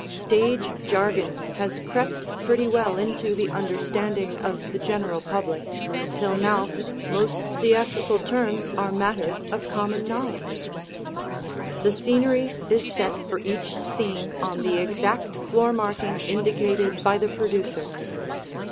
Stage jargon has crept pretty well into the understanding of the general public, till now most theatrical terms are matters of common knowledge.) The scenery is set for each scene on the exact floor marking indicated by the producer.